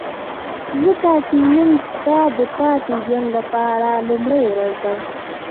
ځکه چې نن ستا د پاتې ژوند لپاره لومړۍ ورځ ده.